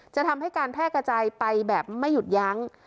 จะทำให้การแพร่กระจายไปแบบไม่หยุดยั้ง